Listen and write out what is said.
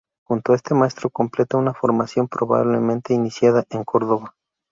Junto a este maestro completa una formación probablemente iniciada en Córdoba.